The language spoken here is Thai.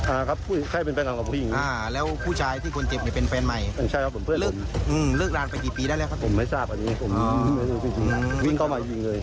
อ้าวแล้วผู้ชายที่คนเจ็บในเป็นแฟนใหม่ผมไม่ทราบ